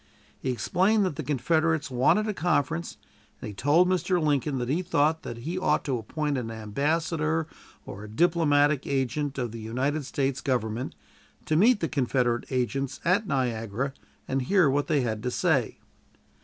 He explained that the Confederates wanted a conference, and he told Mr. Lincoln that he thought that he ought to appoint an ambassador, or a diplomatic agent, of the United States Government, to meet the Confederate agents at Niagara and hear what they had to say.